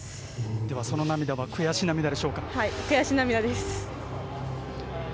ではその涙は悔し涙でしょうか？